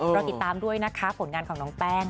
เราติดตามด้วยนะคะผลงานของน้องแป้ง